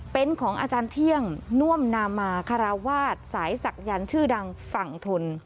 เป็นของอาจารย์เที่ยงน่วมนามาคาราวาสสายศักยันต์ชื่อดังฝั่งทน